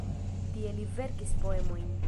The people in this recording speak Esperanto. Tie li verkis poemojn.